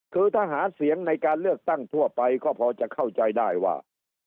คือถ้าหาเสียงในการเลือกตั้งทั่วไปก็พอจะเข้าใจได้ว่า